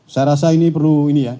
saya rasa ini perlu